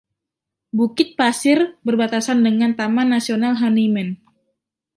Bukit pasir berbatasan dengan Taman Nasional Honeyman.